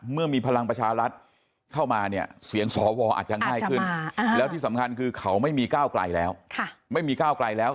เมื่อมีพลังประชารัฐเข้ามาเนี่ยเสียงสวอาจจะง่ายขึ้นแล้วที่สำคัญคือเขาไม่มีก้าวไกลแล้วไม่มีก้าวไกลแล้ว